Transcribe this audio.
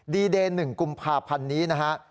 ดีเดย์๑กุมภาพันธ์นี้นะฮะ